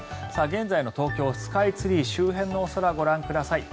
現在の東京スカイツリー周辺の空ご覧ください。